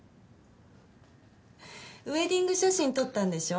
ウエディング写真撮ったんでしょ？